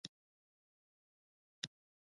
• د کتاب د پاڼو اړولو ږغ ډېر آرام بښونکی وي.